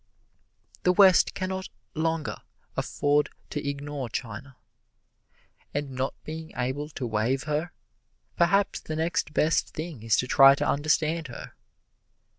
The West can not longer afford to ignore China. And not being able to waive her, perhaps the next best thing is to try to understand her.